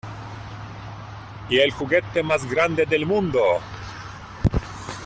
¡ Y el juguete más grande del mundo!